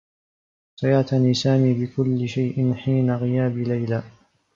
سيعتني سامي بكلّ شيء حين غياب ليلى.